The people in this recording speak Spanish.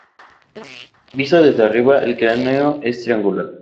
Visto desde arriba, el cráneo es triangular.